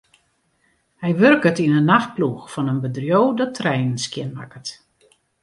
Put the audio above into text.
Hy wurket yn 'e nachtploech fan in bedriuw dat treinen skjinmakket.